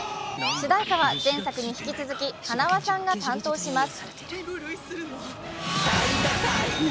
主題歌は前作に引き続き、はなわさんが担当します。